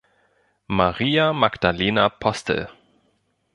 Maria Magdalena Postel.